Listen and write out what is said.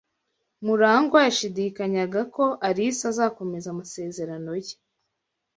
Murangwa yashidikanyaga ko Alice azakomeza amasezerano ye.